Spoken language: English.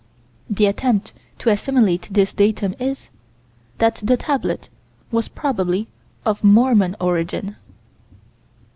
The attempt to assimilate this datum is: That the tablet was probably of Mormon origin.